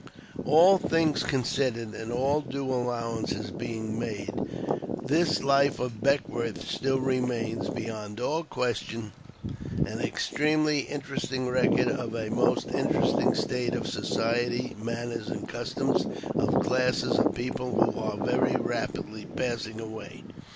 All things considered and all due allowance being made, this Life of Beckwourth still remains, beyond all question, an extremely interesting record of a most interesting state of society, manners, and customs of classes of people who are very rapidly passing aw ay.